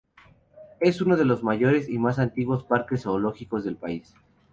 Es uno de los mayores y más antiguos parques zoológicos en el país.